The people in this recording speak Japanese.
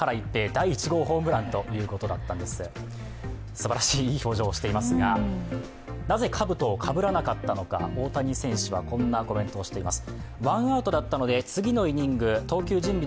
すばらしいいい表情をしていますがなぜかぶとをかぶらなかったのか大谷選手はこんなコメントをしています。